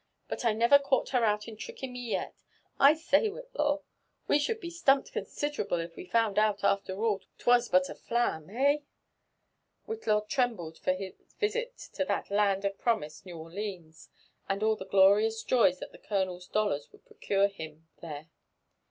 But I never caught her out in tricking me yet. — I say, Whillaw, we should be stumped considerable if we found out, after all, 'twas but a flam— hey ?" Whitlaw trembled for his visit to that land of promise New Orleans, and all the glorious joys that the colonel's dollars would procure him there.